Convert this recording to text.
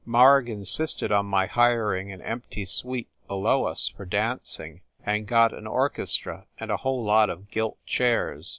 Marg insisted on my hiring an empty suite below us for dancing, and got an orchestra and a whole lot of gilt chairs.